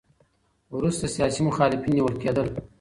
وروسته سیاسي مخالفین نیول کېدل.